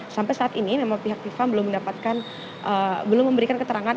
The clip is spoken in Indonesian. sampai saat ini memang pihak fifa belum mendapatkan belum memberikan keterangan